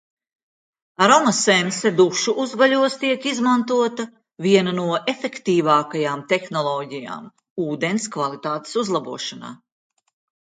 Aroma Sense dušu uzgaļos tiek izmantota viena no efektīvākajām tehnoloģijām ūdens kvalitātes uzlabošanā